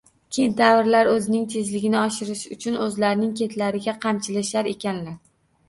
Kentavrlar o'zining tezligini oshirish uchun o'zlarining ketlariga qamchilashar ekanlar...